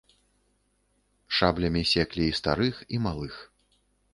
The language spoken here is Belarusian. Шаблямі секлі і старых, і малых.